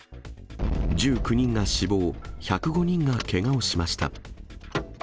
１９人が死亡、１０５人がけがをしました。